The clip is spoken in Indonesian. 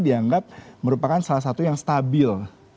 dianggap merupakan salah satu yang stabil